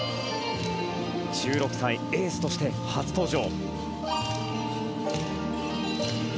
１６歳、エースとして初登場。